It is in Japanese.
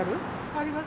あります？